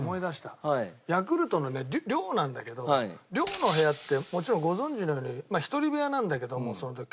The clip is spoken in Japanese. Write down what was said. ヤクルトのね寮なんだけど寮の部屋ってもちろんご存じのように１人部屋なんだけどもその時から。